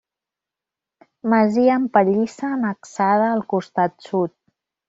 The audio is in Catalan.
Masia amb pallissa annexada al costat sud.